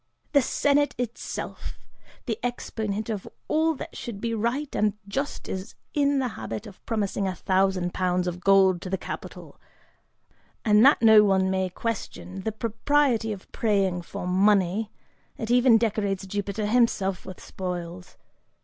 The Senate itself, the exponent of all that should be right and just, is in the habit of promising a thousand pounds of gold to the capitol, and that no one may question the propriety of praying for money, it even decorates Jupiter himself with spoils'.